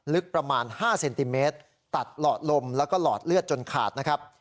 ลึกประมาณ๕เซนติเมตรตัดหลอดลมแล้วก็หลอดเลือดจนขาดนะครับ